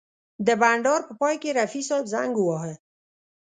د بنډار په پای کې رفیع صاحب زنګ وواهه.